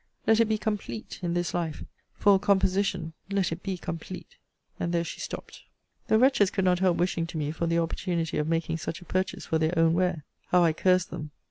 Let it be COMPLETE, in this life! For a composition, let it be COMPLETE.' And there she stopped. The wretches could not help wishing to me for the opportunity of making such a purchase for their own wear. How I cursed them!